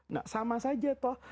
nah sama saja toh